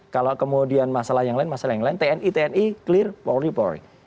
kalau kemudian masalah yang lain masalah yang lain tni tni clear polri polri